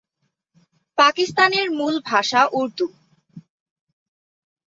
পাকিস্তানের মূল ভাষা উর্দু।